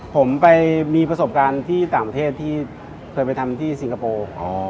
ผมไปมีประสบการณ์ที่ต่างประเทศที่เคยไปทำที่สิงคโปร์